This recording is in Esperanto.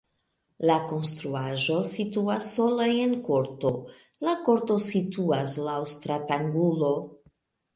La konstruaĵo situas sola en korto, la korto situas laŭ stratangulo.